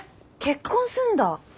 結婚すんだ！